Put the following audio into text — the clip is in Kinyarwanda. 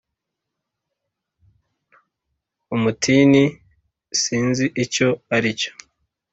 umutini sinzi icyo ari cyo